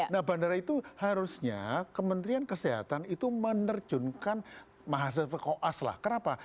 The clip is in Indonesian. nah bandara itu harusnya kementerian kesehatan itu menerjunkan mahasiswa ke koas lah kenapa